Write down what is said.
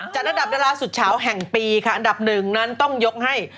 ระดับดาราสุดเฉาแห่งปีค่ะอันดับหนึ่งนั้นต้องยกให้